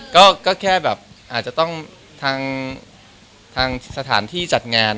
ก็แค่แบบอาจจะต้องทางสถานที่จัดงาน